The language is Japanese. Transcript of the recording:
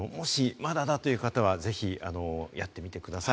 まただという方は、ぜひやってみてください。